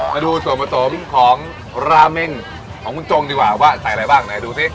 มาดูส่วนผสมของราเมงของคุณจงดีกว่าว่าใส่อะไรบ้างไหนดูสิ